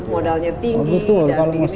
modalnya tinggi keuntungan